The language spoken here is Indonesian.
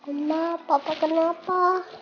mama papa kenapa